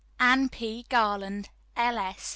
"ANNE P. GARLAND, [L.S.